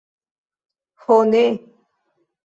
Ho ne!